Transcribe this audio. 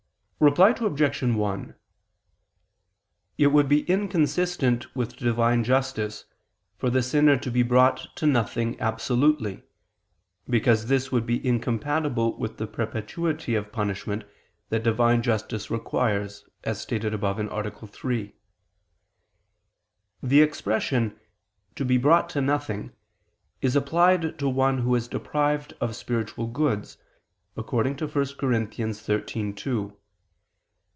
Reply Obj. 1: It would be inconsistent with Divine justice for the sinner to be brought to nothing absolutely, because this would be incompatible with the perpetuity of punishment that Divine justice requires, as stated above (A. 3). The expression "to be brought to nothing" is applied to one who is deprived of spiritual goods, according to 1 Cor. 13:2: "If I ..